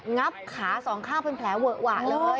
งับขาสองข้างเป็นแผลเวอะหวะเลย